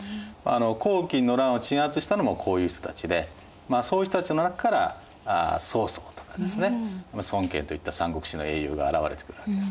黄巾の乱を鎮圧したのもこういう人たちでそういう人たちの中から曹操とかですね孫権といった「三国志」の英雄が現れてくるわけですね。